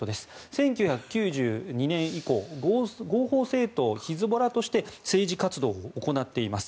１９９２年以降合法政党ヒズボラとして政治活動を行っています。